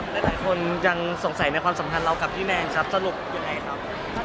หลายคนยังสงสัยในความสัมพันธ์เรากับพี่แมนครับสรุปยังไงครับ